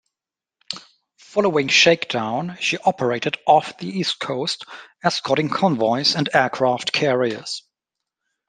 Following shakedown, she operated off the east coast escorting convoys and aircraft carriers.